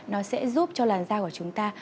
nó sẽ giúp cho làn da của chúng ta